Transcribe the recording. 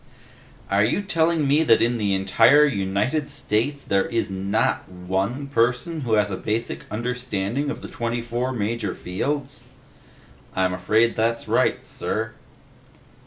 "Are you telling me that in the entire United States, there is not one person who has a basic understanding of the twenty four major fields?" "I'm afraid that's right, sir."